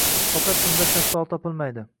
Faqat unda shaftoli topilmaydi